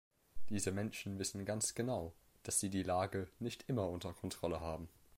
Diese Menschen wissen ganz genau, dass sie die Lage nicht immer unter Kontrolle haben.